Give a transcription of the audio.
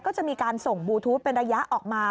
ก็จะมีการส่งบลูทูธเป็นระยะออกมา